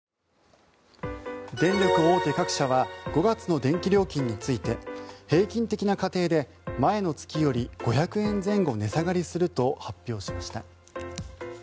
電力大手各社は５月の電気料金について平均的な家庭で、前の月より５００円前後値下がりすると発表しました。